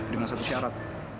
dengan satu syarat